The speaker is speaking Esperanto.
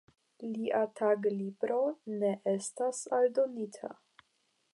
Lia taglibro ne estas eldonita.